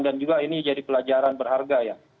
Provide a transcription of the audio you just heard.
dan juga ini jadi pelajaran berharga ya